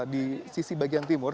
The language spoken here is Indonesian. di sisi bagian timur